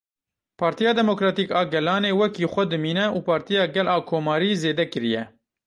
Partiya Demokratîk a Gelanê wekî xwe dimîne û Partiya Gel a Komarî zêde kiriye.